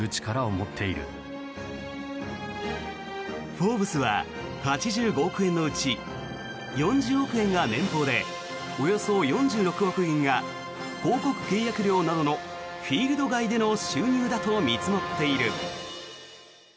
「フォーブス」は８５億円のうち４０億円が年俸でおよそ４６億円が広告契約料などのフィールド外での収入だと見積もっている。